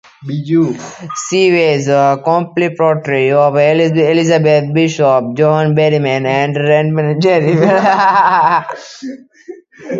She was a contemporary of Elizabeth Bishop, John Berryman, and Randall Jarrell.